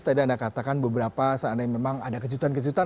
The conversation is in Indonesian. tadi anda katakan beberapa seandainya memang ada kejutan kejutan